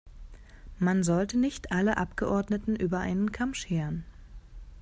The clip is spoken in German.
Man sollte nicht alle Abgeordneten über einen Kamm scheren.